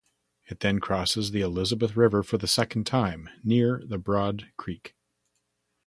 It then crosses the Elizabeth River for the second time near the Broad Creek.